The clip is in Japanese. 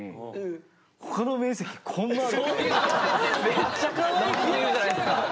めっちゃかわいく言うじゃないですか。